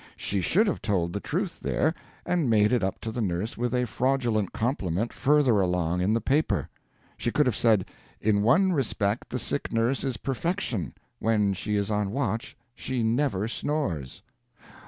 She should have told the truth there, and made it up to the nurse with a fraudulent compliment further along in the paper. She could have said, "In one respect the sick nurse is perfection when she is on watch, she never snores."